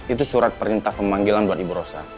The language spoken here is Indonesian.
itu surat perintah pemanggilan buat ibu rosa